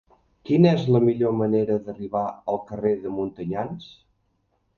Quina és la millor manera d'arribar al carrer de Montanyans?